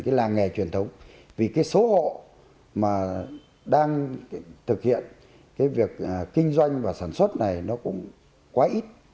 cái làng nghề truyền thống vì cái số hộ mà đang thực hiện cái việc kinh doanh và sản xuất này nó cũng quá ít